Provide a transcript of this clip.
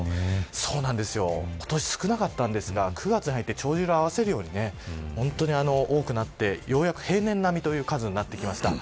今年少なかったですが９月に入って帳じりを合わせるように多くなって、ようやく平年並みの数になってきました。